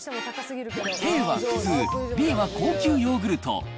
Ａは普通、Ｂは高級ヨーグルト。